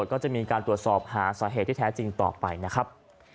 ก็จะมีการตรวจสอบหาสาเหตุที่แท้จริงต่อไปนะครับ